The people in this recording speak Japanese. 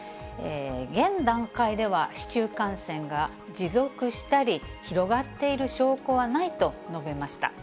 現段階では、市中感染が持続したり、広がっている証拠はないと述べました。